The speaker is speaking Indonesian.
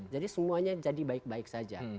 jadi semuanya jadi baik baik saja